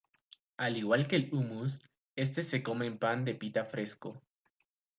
Al igual que el hummus, este se come en pan de pita fresco.